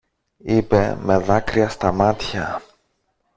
είπε με δάκρυα στα μάτια.